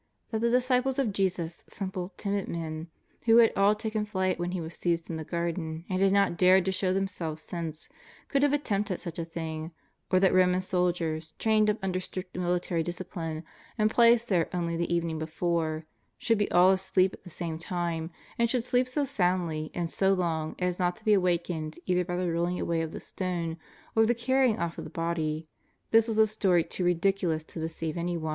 That the disciples of Jesus, simple, timid men, who had all taken flight when He was seized in the Garden, and had not dared to show themselves since, could have attempted such a thing, or that Roman soldiers, trained up under strict military discipline, and placed there only the evening before, should be all asleep at the same time, and should sleep so soundly and so long as not to be awakened either by the rolling away of the stone or the carrying off of the body — this was a story too ridicu lous to deceive any.